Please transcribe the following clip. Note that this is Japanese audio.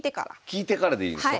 聞いてからでいいんですか？